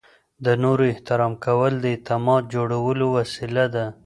د نورو احترام کول د اعتماد جوړولو وسیله ده.